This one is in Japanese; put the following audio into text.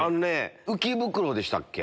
浮き袋でしたっけ